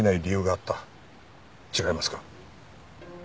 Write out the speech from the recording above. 違いますか？